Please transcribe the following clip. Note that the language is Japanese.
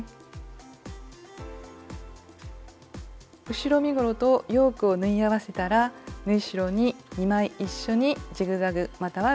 後ろ身ごろとヨークを縫い合わせたら縫い代に２枚一緒にジグザグまたはロックミシンをかけます。